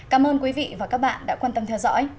cảm ơn quý vị và các bạn đã quan tâm theo dõi